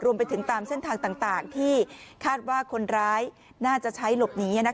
ไปถึงตามเส้นทางต่างที่คาดว่าคนร้ายน่าจะใช้หลบหนี